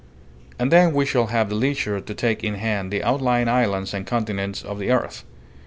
And then we shall have the leisure to take in hand the outlying islands and continents of the earth.